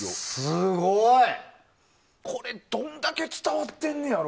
すごい！これ、どんだけ伝わってんねやろ。